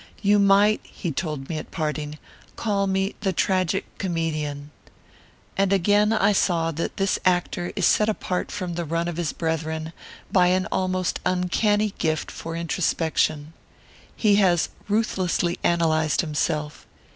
"'You might,' he told me at parting, 'call me the tragic comedian.' And again I saw that this actor is set apart from the run of his brethren by an almost uncanny gift for introspection. He has ruthlessly analysed himself.